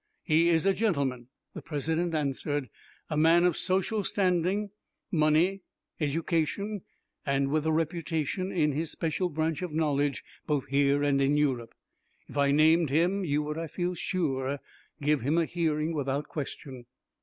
"He is a gentleman," the President answered; "a man of social standing, money, education, and with a reputation in his special branch of knowledge both here and in Europe. If I named him, you would, I feel sure, give him a hearing without question."